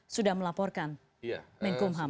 sudah melaporkan menkumham